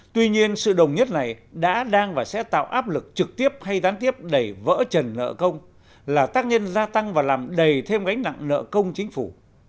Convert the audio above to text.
tuy nhiên sự đồng nhất này đã đang và sẽ tạo áp lực trực tiếp hay gián tiếp đẩy vỡ trần nợ công là tác nhân gia tăng và làm đầy thêm gánh nặng nợ công chính phủ